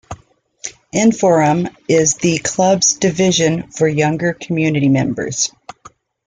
Inforum is the Club's division for younger community members.